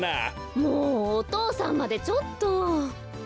・もうお父さんまでちょっと。